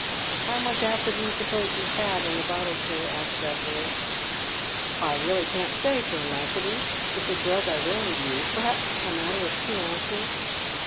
" How much acid do you suppose you had in the bottle, sir? * asks Judburj'. " I really can't say to a nicety — it's a drug I rarely use — per haps a matter of two ounces."